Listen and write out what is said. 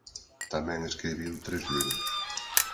Tamén escribiu tres libros.